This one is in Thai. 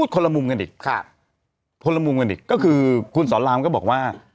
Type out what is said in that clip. คนละมุมกันอีกก็คือคุณสอนลามก็บอกว่า